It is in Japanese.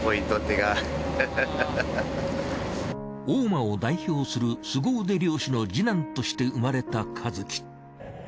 大間を代表する凄腕漁師の二男として生まれた和喜。